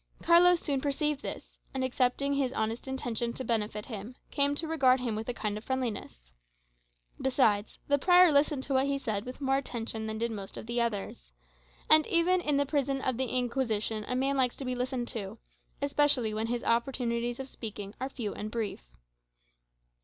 Carlos soon perceived this, and accepting his honest intention to benefit him, came to regard him with a kind of friendliness. Besides, the prior listened to what he said with more attention than did most of the others, and even in the prison of the Inquisition a man likes to be listened to, especially when his opportunities of speaking are few and brief.